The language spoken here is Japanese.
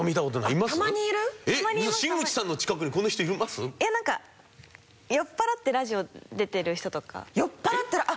いやなんか酔っ払ってラジオ出てる人とか。